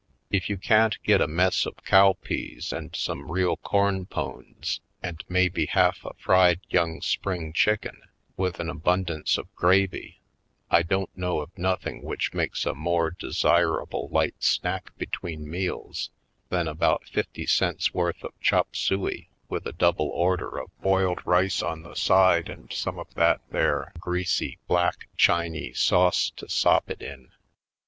If you can't get a mess of cow peas and some real corn pones and maybe half a fried young spring chicken with an abundance of gravy, I don't know of nothing which makes a more desirable light snack between meals than about fifty cents worth of chop suey with a double order of boiled rice on the side and some of that there greasy black Chinee sauce to sop it in.